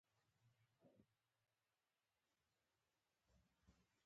موږ به تر هغه وخته پورې امنیتی ستونزې حلوو.